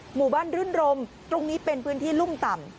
หมู่บ้านรื่นรมตรงนี้เป็นพื้นที่รุ่มต่ำ